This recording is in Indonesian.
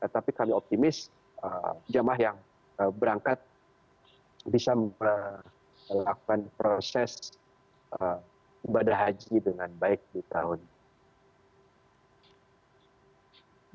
tapi kami optimis jamah yang berangkat bisa melakukan proses ibadah haji dengan baik di tahun ini